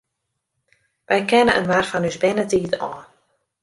Wy kenne inoar fan ús bernetiid ôf.